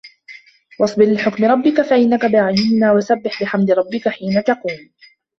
وَاصبِر لِحُكمِ رَبِّكَ فَإِنَّكَ بِأَعيُنِنا وَسَبِّح بِحَمدِ رَبِّكَ حينَ تَقومُ